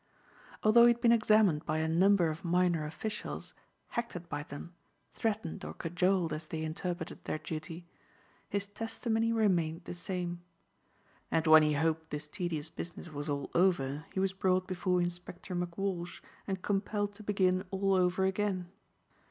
Although he had been examined by a number of minor officials, hectored by them, threatened or cajoled as they interpreted their duty, his testimony remained the same. And when he hoped this tedious business was all over, he was brought before Inspector McWalsh and compelled to begin all over again.